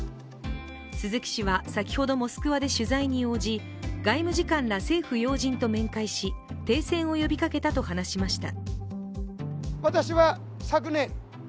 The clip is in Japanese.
鈴木氏は先ほどモスクワで取材に応じ外務次官ら政府要人と面会に応じ、停戦を呼びかけたと話しました。